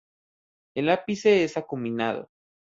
El ápice es acuminado.